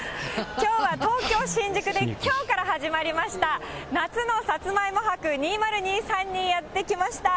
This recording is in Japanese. きょうは東京・新宿できょうから始まりました夏のさつまいも博２０２３にやって来ました。